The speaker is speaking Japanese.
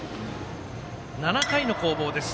７回の攻防です。